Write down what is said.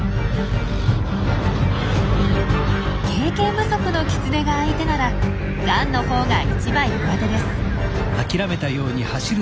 経験不足のキツネが相手ならガンのほうが一枚うわてです。